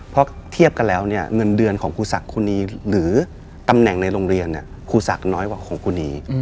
เพราะเทียบกันแล้วเนี่ยเงินเดือนของครูศักดิ์ครูนีหรือตำแหน่งในโรงเรียนครูศักดิ์น้อยกว่าของครูนี